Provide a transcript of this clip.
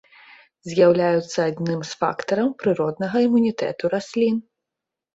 З'яўляюцца адным з фактараў прыроднага імунітэту раслін.